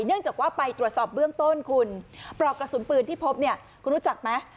เนื่องจากว่าไปตรวจสอบเบื้องต้นคุณปลอกกระสุนปืนที่พบเนี่ยคุณรู้จักไหม